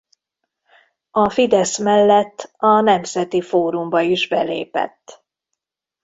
A Fidesz mellett a Nemzeti Fórumba is belépett.